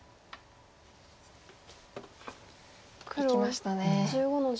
いきましたね。